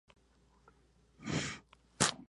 Perteneció a la Academia Valenciana de Jurisprudencia.